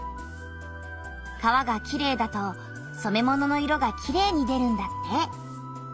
川がきれいだと染め物の色がきれいに出るんだって。